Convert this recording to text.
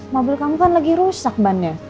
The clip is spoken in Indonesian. mobil kamu kan lagi rusak bannya